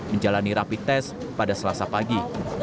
menjalani rapi tes pada selasa pagi